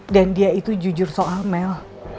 dan dia itu jujur soal mel